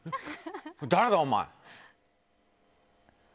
誰だお前？